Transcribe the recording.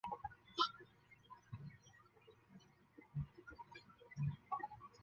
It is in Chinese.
希尔格尔米森是德国下萨克森州的一个市镇。